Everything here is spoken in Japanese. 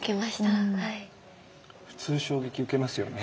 普通衝撃受けますよね。